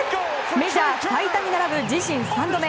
メジャー最多に並ぶ自身３度目。